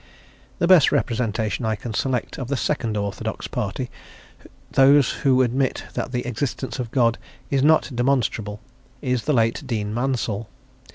The best representation I can select of the second orthodox party, those who admit that the existence of God is not demonstrable, is the late Dean Mansel.